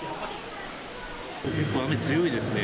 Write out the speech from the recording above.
結構雨強いですね。